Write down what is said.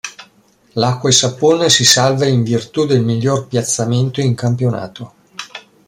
L'Acquaesapone si salva in virtù del miglior piazzamento in campionato.